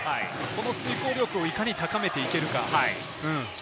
この成功力をいかに高めていけるか。